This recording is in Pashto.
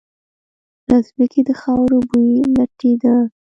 له ځمکې د خاورو بوی لټېده.